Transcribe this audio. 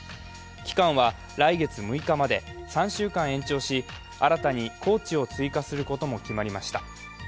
期間は来月６日まで、３週間延長し新たに高知を追加することも決まりました。